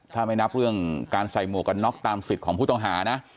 ถ้าไม่นับเรื่องการใส่หมวกกันน็อกตามสิทธิ์ของผู้ต้องหานะ